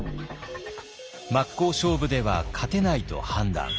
真っ向勝負では勝てないと判断。